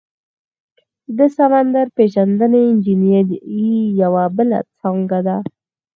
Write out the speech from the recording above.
د سمندر پیژندنې انجنیری یوه بله څانګه ده.